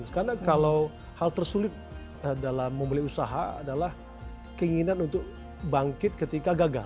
karena kalau hal tersulit dalam memulai usaha adalah keinginan untuk bangkit ketika gagal